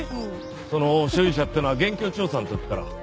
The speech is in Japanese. その所有者ってのは現況調査の時から。